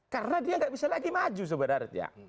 karena dia nggak bisa lagi maju sebenarnya